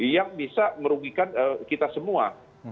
yang bisa merugikan kita semua